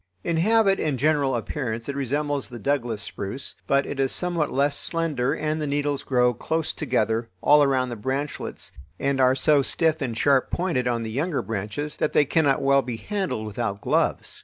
In habit and general appearance it resembles the Douglas spruce, but it is somewhat less slender and the needles grow close together all around the branchlets and are so stiff and sharp pointed on the younger branches that they cannot well be handled without gloves.